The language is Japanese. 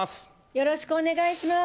よろしくお願いします。